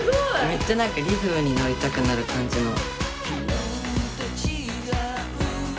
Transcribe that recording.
めっちゃなんかリズムにのりたくなるかんじの。